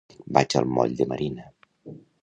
Vaig al moll de Marina.